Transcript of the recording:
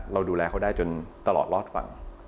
เราดูแลเขาได้จนตลอดรอดฝั่ง